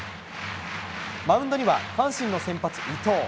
マウンドには阪神の先発、伊藤。